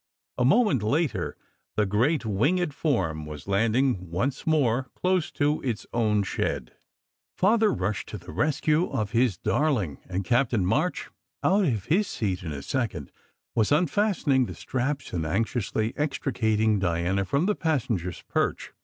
A moment later the great winged form was landing once more close to its own shed. Father rushed to the rescue of his darling, and Captain March out of his seat in a second was unfastening the straps and anxiously extricating Diana from the passen ger s perch.